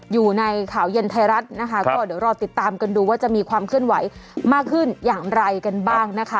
อยู่ในข่าวเย็นไทยรัฐนะคะก็เดี๋ยวรอติดตามกันดูว่าจะมีความเคลื่อนไหวมากขึ้นอย่างไรกันบ้างนะคะ